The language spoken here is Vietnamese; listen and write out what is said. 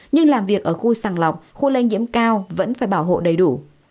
nhưng làm việc ở khu sàng lọc khu lây nhiễm cao vẫn phải bảo hộ đầy đủ